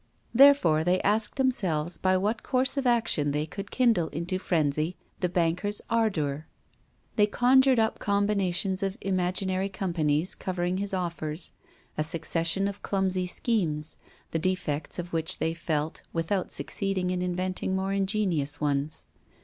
Therefore, they asked themselves by what course of action they could kindle into frenzy the banker's ardor; they conjured up combinations of imaginary companies covering his offers, a succession of clumsy schemes, the defects of which they felt, without succeeding in inventing more ingenious ones.